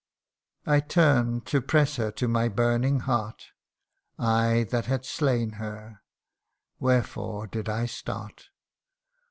I turn'd to press her to my burning heart I that had slain her Wherefore did I start